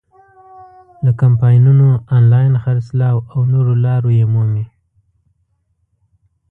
له کمپاینونو، آنلاین خرڅلاو او نورو لارو یې مومي.